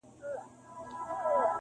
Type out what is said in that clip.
په خِصلت درویش دی یاره نور سلطان دی,